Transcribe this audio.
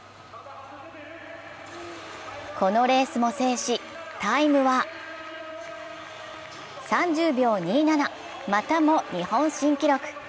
このレースも制し、タイムは３０秒２７、またも日本新記録。